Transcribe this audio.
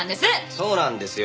そうなんですよ。